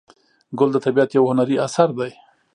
ګل د طبیعت یو هنري اثر دی.